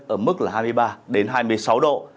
ở mức là hai mươi ba hai mươi sáu độ